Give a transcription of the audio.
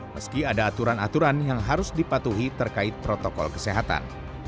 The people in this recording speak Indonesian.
meski ada aturan aturan yang harus dipatuhi terkait protokol kesehatan